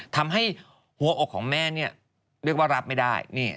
ทำให้หัวอกของแม่เรียกว่ารับไม่ได้